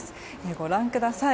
ご覧ください。